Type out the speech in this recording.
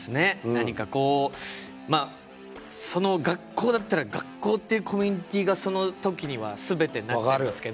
何かこうまあその学校だったら学校っていうコミュニティがその時には全てになっちゃうんですけど。